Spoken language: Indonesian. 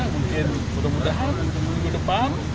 mungkin mudah mudahan untuk minggu depan